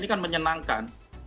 ini kan menyenangkan